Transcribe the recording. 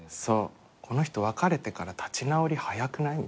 この人別れてから立ち直り早くない？みたいな。